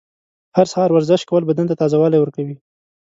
هر سهار ورزش کول بدن ته تازه والی ورکوي.